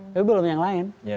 tapi belum yang lain